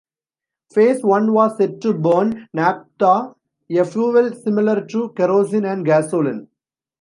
Phase one was set to burn naphtha, a fuel similar to kerosene and gasoline.